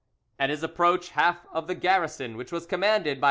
At his approach half of the garrison, which was commanded by M.